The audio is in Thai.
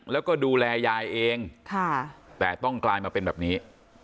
แล้วก็ดูแลยายเองแต่ต้องกลายมาเป็นแบบนี้